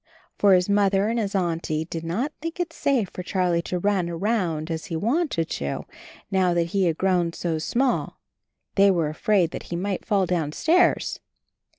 For his Mother and his Auntie did not think it safe for Charlie to run around as he wanted to, now that he had grown so small — ^they were afraid that he might fall downstairs.